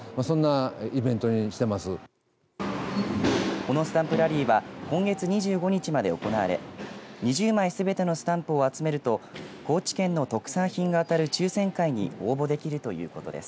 このスタンプラリーは今月２５日まで行われ２０枚すべてのスタンプを集めると高知県の特産品が当たる抽選会に応募できるということです。